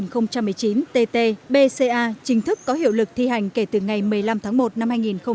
thông tư sáu mươi bảy hai nghìn một mươi chín tt bca chính thức có hiệu lực thi hành kể từ ngày một mươi năm tháng một năm hai nghìn hai mươi